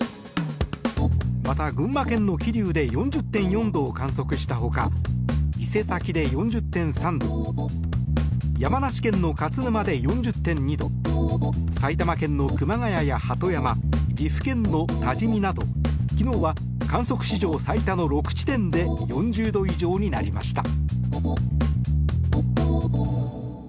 また、群馬県の桐生で４０．４度を観測したほか伊勢崎で４０．３度山梨県の勝沼で４０．２度埼玉県の熊谷や鳩山岐阜県の多治見など昨日は観測史上最多の６地点で４０度以上になりました。